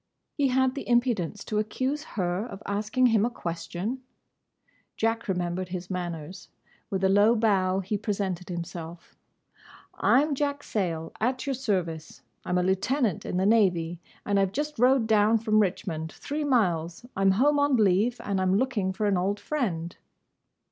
He had the impudence to accuse her of asking him a question! Jack remembered his manners. With a low bow he presented himself. "I 'm Jack Sayle, at your service. I 'm a lieutenant in the Navy; and I 've just rowed down from Richmond—three miles. I 'm home on leave; and I 'm looking for an old friend."